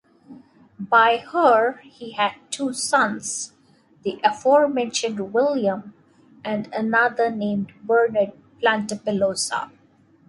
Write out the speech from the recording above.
By her he had two sons, the aforementioned William and another named Bernard Plantapilosa.